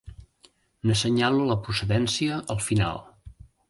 N'assenyalo la procedència al final.